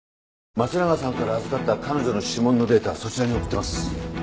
松永さんから預かった彼女の指紋のデータをそちらに送ってます。